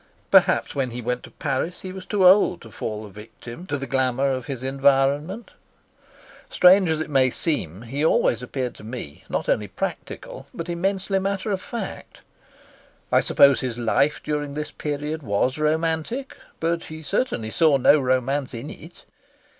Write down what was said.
Perhaps when he went to Paris he was too old to fall a victim to the glamour of his environment. Strange as it may seem, he always appeared to me not only practical, but immensely matter of fact. I suppose his life during this period was romantic, but he certainly saw no romance in it.